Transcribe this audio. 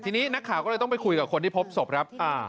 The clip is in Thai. ทีนี้นักข่าวก็เลยต้องไปคุยกับคนที่พบศพครับ